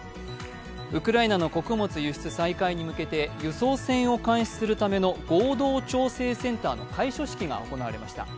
ウクライナの穀物輸出再開に向けて輸送船を監視するための合同調整センターの開所式が行われました。